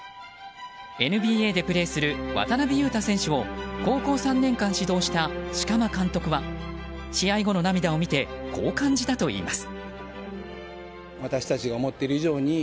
ＮＢＡでプレーする渡邊雄太選手を高校３年間指導した色摩監督は、試合後の涙を見てこう感じたといいます。